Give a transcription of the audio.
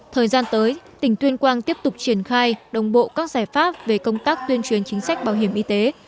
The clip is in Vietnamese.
thời gian tới tỉnh tuyên quang tiếp tục triển khai đồng bộ các giải pháp về công tác tuyên truyền chính sách bảo hiểm y tế